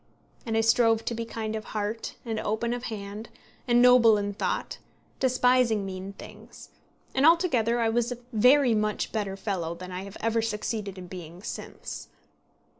And I strove to be kind of heart, and open of hand, and noble in thought, despising mean things; and altogether I was a very much better fellow than I have ever succeeded in being since.